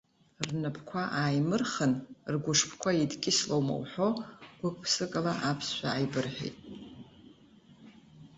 Рнапқәа ааимырхын, ргәышԥқәа еидкьыслоума уҳәо, гәык-ԥсыкала аԥсшәа ааибырҳәеит.